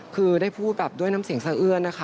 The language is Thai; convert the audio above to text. คือได้พูดแบบด้วยน้ำเสียงสะเอื้อนนะคะ